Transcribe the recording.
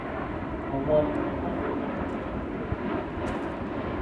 Omuwandiisi alina ndowooza ki ku nsonga eyo?